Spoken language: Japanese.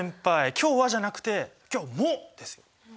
「今日は」じゃなくて「今日も」ですよ。